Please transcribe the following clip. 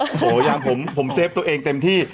โอ้โหยังผมเซฟตัวเองเต็มที่